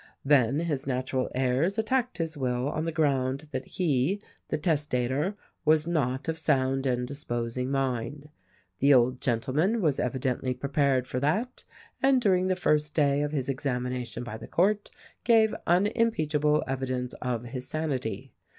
Then his natural heirs attacked his will on the ground that he, the testator, was not of sound and disposing mind. The old gentleman was evi dently prepared for that, and during the first day of his examination by the court gave unimpeachable evidence of his sanity.